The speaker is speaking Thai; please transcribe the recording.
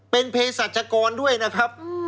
เป็นเพศรัชกรด้วยนะครับ